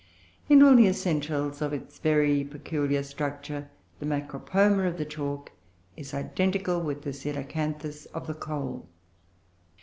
In all the essentials of its very peculiar structure, the Macropoma of the Chalk is identical with the Coelacanthus of the Coal.